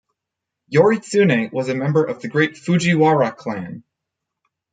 Yoritsune was a member of the great Fujiwara clan.